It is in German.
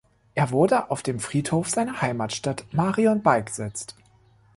Er wurde auf dem Friedhof seiner Heimatstadt Marion beigesetzt.